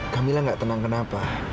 kamila gak tenang kenapa